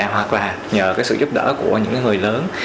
hoặc là nhờ cái sự giúp đỡ của những người lớn